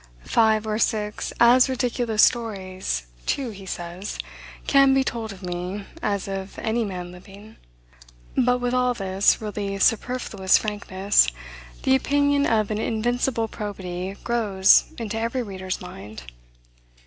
"Five or six as ridiculous stories," too, he says, "can be told of me, as of any man living." But, with all this really superfluous frankness, the opinion of an invincible probity grows into every reader's mind.